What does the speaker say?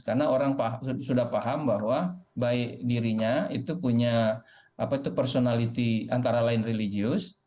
karena orang sudah paham bahwa baik dirinya itu punya personality antara lain religius